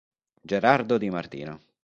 Gerardo Di Martino